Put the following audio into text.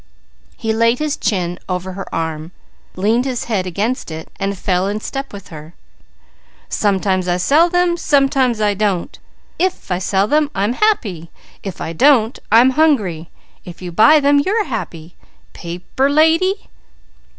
He laid his chin over her arm, leaned his head against it and fell in step with her. "Sometimes I sell them! Sometimes I don't! If I sell them, I'm happy! If I don't, I'm hungry! If you buy them, you're happy! Pa per? lady."